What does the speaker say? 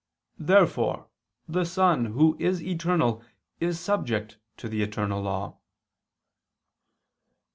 Therefore the Son, Who is eternal, is subject to the eternal law.